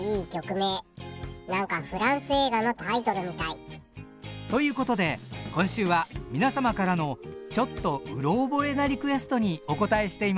何かフランス映画のタイトルみたい。ということで今週は皆様からのちょっとうろ覚えなリクエストにお応えしています。